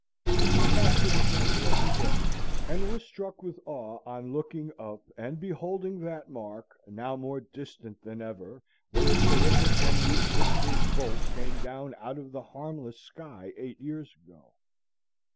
I passed it again the other day, and was struck with awe on looking up and beholding that mark, now more distinct than ever, where a terrific and resistless bolt came down out of the harmless sky eight years ago.